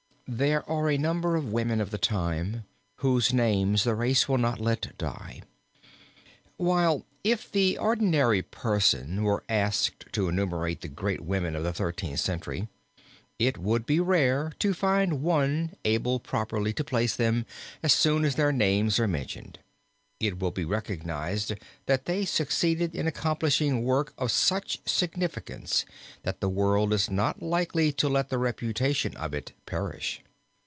There are a number of women of the time whose names the race will not let die. While if the ordinary person were asked to enumerate the great women of the Thirteenth Century it would be rare to find one able properly to place them, as soon as their names are mentioned, it will be recognized that they succeeded in accomplishing work of such significance that the world is not likely to let the reputation of it perish.